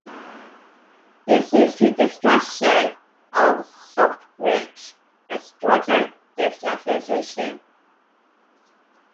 This leads to destruction of salt bridge and structure destabilization.